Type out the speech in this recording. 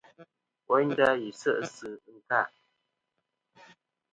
Woynda, yi se' sɨ ɨnka.